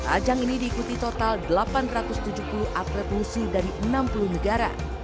ajang ini diikuti total delapan ratus tujuh puluh atlet musuh dari enam puluh negara